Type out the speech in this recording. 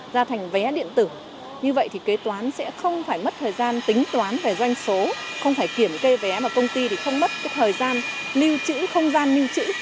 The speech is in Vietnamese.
ra thành vé điện tử như vậy thì kế toán sẽ không phải mất thời gian tính toán về doanh số không phải kiểm kê vé mà công ty thì không mất thời gian lưu trữ không gian lưu trữ